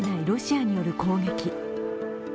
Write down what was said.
ロシアによる攻撃。